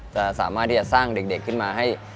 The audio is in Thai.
สามารถที่จะสร้างเด็กขึ้นมาให้